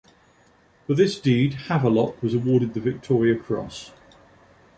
For this deed, Havelock was awarded the Victoria Cross.